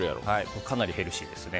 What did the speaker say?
かなりヘルシーですね。